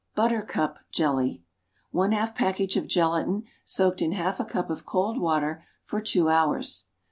Buttercup Jelly. One half package of gelatine soaked in half a cup of cold water for two hours.